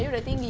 dari depan aja